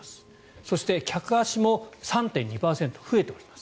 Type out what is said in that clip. そして客足も３．２％増えております。